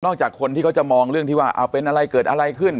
จากคนที่เขาจะมองเรื่องที่ว่าเอาเป็นอะไรเกิดอะไรขึ้น